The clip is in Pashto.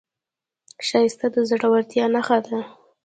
ښایست د زړورتیا نښه ده